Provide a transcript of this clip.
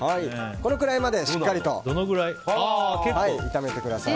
このくらいまでしっかりと炒めてください。